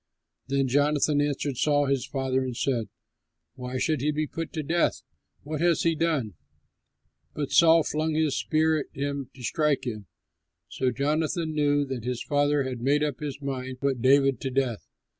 Then Jonathan answered Saul his father and said, "Why should he be put to death? What has he done?" But Saul flung his spear at him to strike him. So Jonathan knew that his father had made up his mind to put David to death.